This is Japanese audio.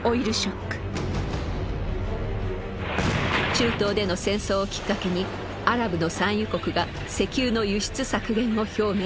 中東での戦争をきっかけにアラブの産油国が石油の輸出削減を表明。